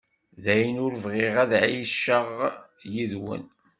Dayen, ur bɣiɣ ad εiceɣ yid-wen.